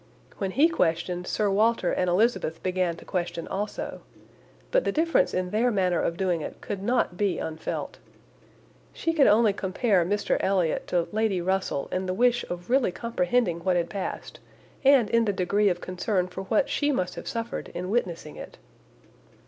When he questioned, Sir Walter and Elizabeth began to question also, but the difference in their manner of doing it could not be unfelt. She could only compare Mr Elliot to Lady Russell, in the wish of really comprehending what had passed, and in the degree of concern for what she must have suffered in witnessing it.